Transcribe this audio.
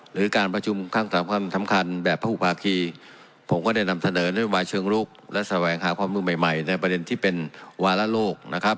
หรือการประชุมข้างสำคัญแบบทฤพาคีผมก็ได้นำเสนอในวัยเชิงรุกและแสวงหาความรู้ใหม่ในประเด็นที่เป็นวารโลก